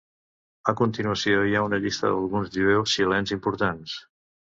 A continuació hi ha una llista d'alguns jueus xilens importants.